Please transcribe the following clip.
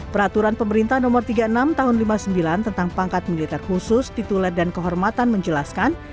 peraturan pemerintah nomor tiga puluh enam tahun seribu sembilan ratus lima puluh sembilan tentang pangkat militer khusus tituler dan kehormatan menjelaskan